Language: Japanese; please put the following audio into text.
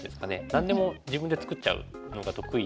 何でも自分で作っちゃうのが得意で。